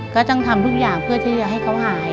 ก็ต้องทำทุกอย่างเพื่อที่จะให้เขาหาย